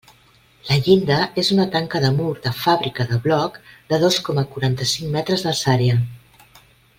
La llinda és una tanca de mur de fàbrica de bloc de dos coma quaranta-cinc metres d'alçària.